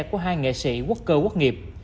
của hai nghệ sĩ quốc cơ quốc nghiệp